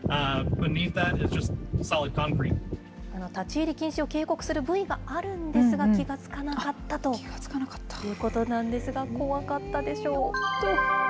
立ち入り禁止を警告するブイがあるんですが、気が付かなかったということなんですが、怖かったでしょう。